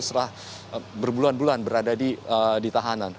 setelah berbulan bulan berada di tahanan